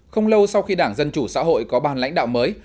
không lâu sau khi đảng dân chủ xã hội có bàn lãnh đạo mới